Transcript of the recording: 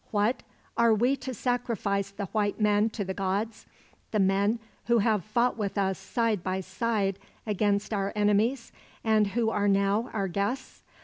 What? Are we to sacrifice the white men to the gods the men who have fought with us side by side against our enemies, and who are now our guests?